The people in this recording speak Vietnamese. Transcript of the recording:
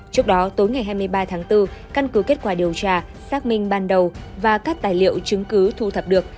trước đó tối ngày hai mươi ba tháng bốn căn cứ kết quả điều tra xác minh ban đầu và các tài liệu chứng cứ thu thập được